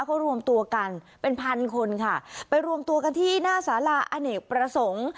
เขารวมตัวกันเป็นพันคนค่ะไปรวมตัวกันที่หน้าสาราอเนกประสงค์